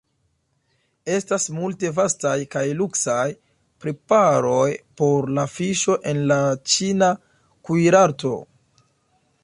Estas multe vastaj kaj luksaj preparoj por la fiŝo en la ĉina kuirarto.